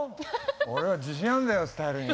俺は自信あんだよスタイルに。